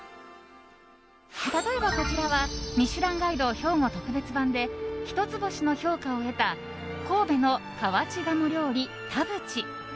例えば、こちらは「ミシュランガイド兵庫特別版」で一つ星の評価を得た神戸の河内鴨料理田ぶち。